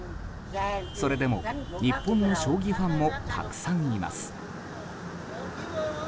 それでも、日本の将棋ファンもたくさんいます。